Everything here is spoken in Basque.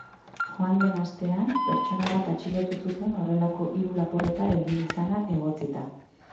Joan den astean pertsona bat atxilotu zuten horrelako hiru lapurreta egin izana egotzita.